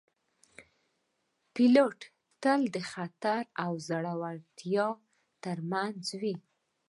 پیلوټ تل د خطر او زړورتیا ترمنځ وي